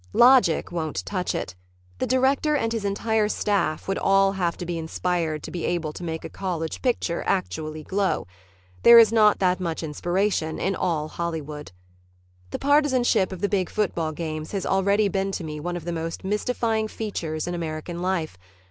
Logic won't touch it. The director and his entire staff would all have to be inspired to be able to make a college picture actually glow. There is not that much inspiration in all Hollywood. The partisanship of the big football games has always been to me one of the most mystifying features in American life.